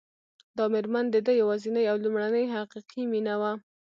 دا مېرمن د ده یوازېنۍ او لومړنۍ حقیقي مینه وه